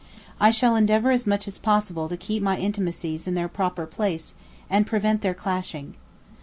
I shall endeavour as much as possible to keep my intimacies in their proper place, and prevent their clashing.